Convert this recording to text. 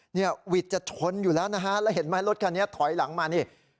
วิทย์จะชนอยู่แล้วนะฮะแล้วเห็นไหมรถคันนี้ถอยหลังมานี่